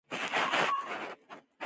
دا ځواک د خیال له سرچینې تغذیه کېږي.